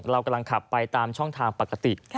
เรากำลังขับไปตามช่องทางปกติ